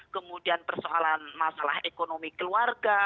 kemudian persoalan masalah ekonomi keluarga